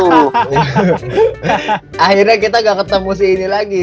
akhirnya kita gak ketemu si ini lagi